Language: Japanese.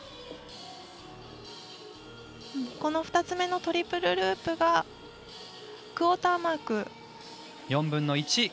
この２つ目のトリプルループがクオーターマーク。